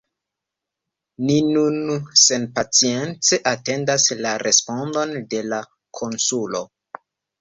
Ni nun senpacience atendas la respondon de la konsulo.